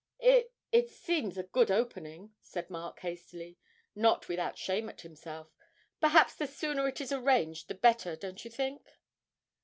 'It it seems a good opening,' said Mark hastily, not without shame at himself; 'perhaps the sooner it is arranged the better, don't you think?'